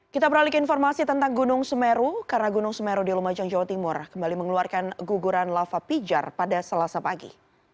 kita beralih ke informasi tentang gunung semeru karena gunung semeru di lumajang jawa timur kembali mengeluarkan guguran lava pijar pada selasa pagi